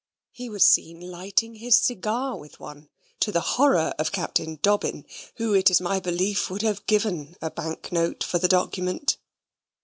He was seen lighting his cigar with one, to the horror of Captain Dobbin, who, it is my belief, would have given a bank note for the document.